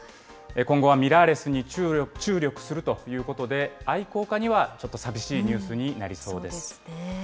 今後はミラーレスに注力するということで、愛好家にはちょっと寂しいニュースになりそうです。